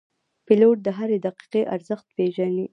پیلوټ د هرې دقیقې ارزښت پېژني.